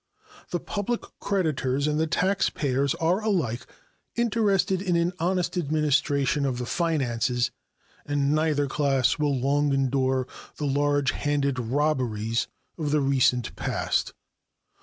The public creditors and the taxpayers are alike interested in an honest administration of the finances, and neither class will long endure the large handed robberies of the recent past.